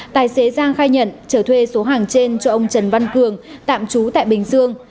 tài xế giang khai nhận trở thuê số hàng trên cho ông trần văn cường tạm trú tại bình dương